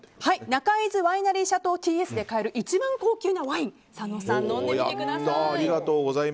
中伊豆ワイナリーシャトーＴ．Ｓで買える一番高級なワイン佐野さん、飲んでみてください。